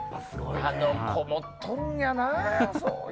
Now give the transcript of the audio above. あの子、持っとんやな。